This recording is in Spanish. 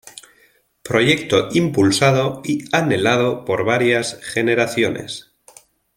Proyecto impulsado y anhelado por varias generaciones.